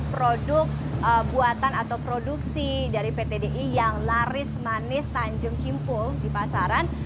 produk buatan atau produksi dari pt di yang laris manis tanjung kimpul di pasaran